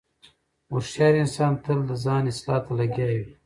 هوښیار انسان تل د ځان اصلاح ته لګیا وي.